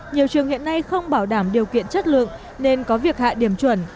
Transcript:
nhiều trường hiện nay không bảo đảm điều kiện chất lượng nên có việc hạ điểm chuẩn